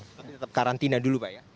tapi tetap karantina dulu pak ya